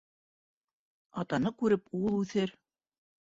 Атаны күреп ул үҫер